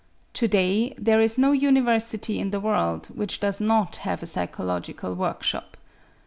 To day there is no university in the world which does not have a psychological workshop.